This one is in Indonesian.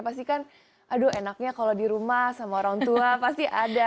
pasti kan aduh enaknya kalau di rumah sama orang tua pasti ada